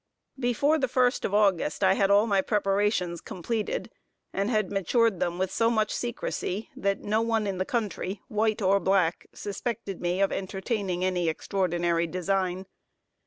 Before the first of August I had all my preparations completed, and had matured them with so much secrecy, that no one in the country, white or black, suspected me of entertaining any extraordinary design.